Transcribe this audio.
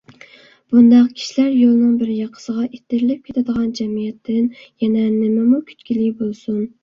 بۇنداق كىشىلەر يولنىڭ بىر ياقىسىغا ئىتتىرىلىپ كىتىدىغان جەمئىيەتتىن يەنە نېمىمۇ كۈتكىلى بولسۇن!